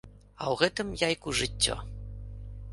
А ў гэтым яйку жыццё.